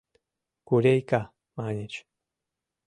«Курейка», — маньыч.